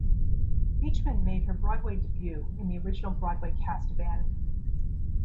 Beechman made her Broadway debut in the original Broadway cast of "Annie".